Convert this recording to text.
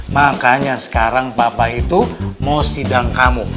makanya sekarang papa itu mau sidang kamu